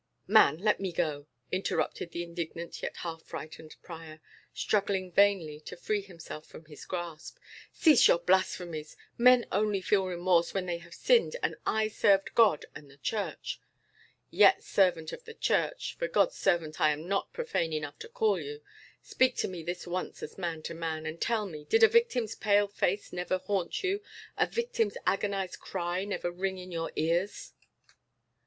"Man, let me go!" interrupted the indignant yet half frightened prior, struggling vainly to free himself from his grasp. "Cease your blasphemies. Men only feel remorse when they have sinned; and I serve God and the Church." "Yet, servant of the Church (for God's servant I am not profane enough to call you), speak to me this once as man to man, and tell me, did a victim's pale face never haunt you, a victim's agonized cry never ring in your ears?"